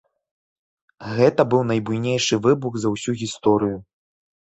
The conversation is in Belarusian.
Гэта быў найбуйнейшы выбух за ўсю гісторыю.